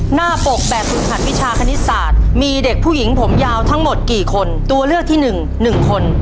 หน้าปกแบบฝึกหัดวิชาคณิตศาสตร์มีเด็กผู้หญิงผมยาวทั้งหมดกี่คนตัวเลือกที่หนึ่งหนึ่งคน